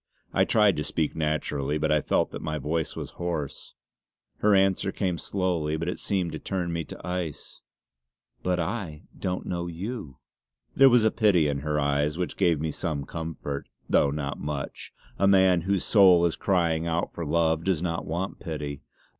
I tried to speak naturally but I felt that my voice was hoarse. Her answer came slowly, but it seemed to turn me to ice: "But I don't know you!" There was a pity in her eyes which gave me some comfort, though not much; a man whose soul is crying out for love does not want pity.